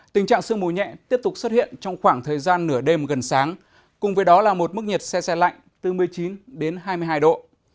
tình trạng sương mù nhẹ tiếp tục xuất hiện trong khoảng thời gian nửa đêm gần sáng cùng với đó là một mức nhiệt xe xe lạnh từ một mươi chín đến hai mươi hai độ